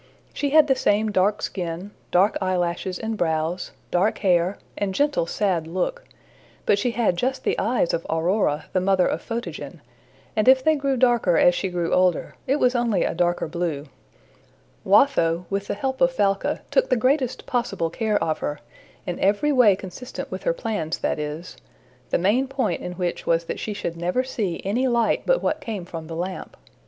She had the same dark skin, dark eyelashes and brows, dark hair, and gentle sad look; but she had just the eyes of Aurora, the mother of Photogen, and if they grew darker as she grew older, it was only a darker blue. Watho, with the help of Falca, took the greatest possible care of her in every way consistent with her plans, that is, the main point in which was that she should never see any light but what came from the lamp.